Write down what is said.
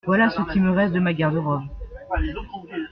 Voilà ce qui me reste de ma garde-robe !…